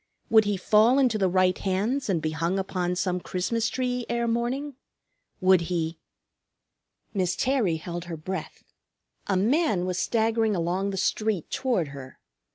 Would he fall into the right hands and be hung upon some Christmas tree ere morning? Would he Miss Terry held her breath. A man was staggering along the street toward her.